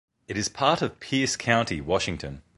It is part of Pierce County, Washington.